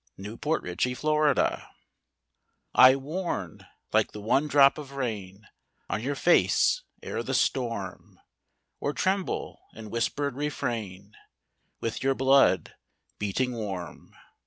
THE VOICE OF THE VOID I warn, like the one drop of rain On your face, ere the storm; Or tremble in whispered refrain With your blood, beating warm.